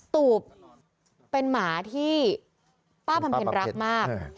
ตูบเป็นหมาที่ป้าบำเพ็ญรักมาก